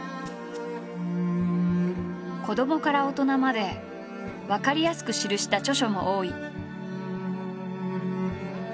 子どもから大人までわかりやすく記した著書も多い。